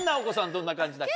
どんな感じだっけ？